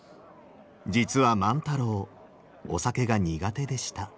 実は万太郎お酒が苦手でした。